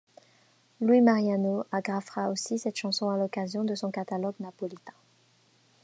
Luis Mariano agrafera aussi cette chanson à l'occasion de son catalogue napolitain.